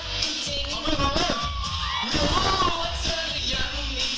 พูดจริงพูดจริงพูดจริงได้ต้อง